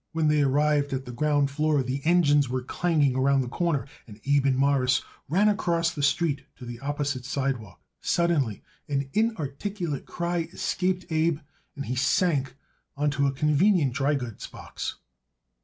When they arrived at the ground floor the engines were clanging around the corner, and Abe and Morris ran across the street to the opposite sidewalk. Suddenly an inarticulate cry escaped Abe and he sank onto a convenient dry goods box.